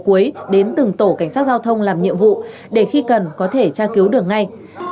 cuối đến từng tổ cảnh sát giao thông làm nhiệm vụ để khi cần có thể tra cứu được ngay